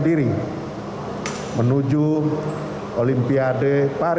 dan tentu saja kita akan mencari atlet atlet yang berpengaruh